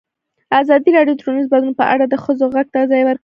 ازادي راډیو د ټولنیز بدلون په اړه د ښځو غږ ته ځای ورکړی.